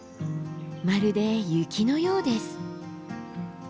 まるで雪のようです。